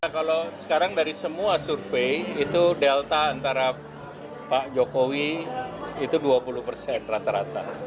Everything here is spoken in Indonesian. kalau sekarang dari semua survei itu delta antara pak jokowi itu dua puluh persen rata rata